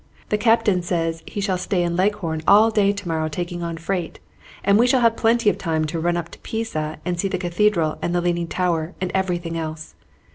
The captain says he shall stay in Leghorn all day to morrow taking on freight, and we shall have plenty of time to run up to Pisa and see the Cathedral and the Leaning Tower and everything else.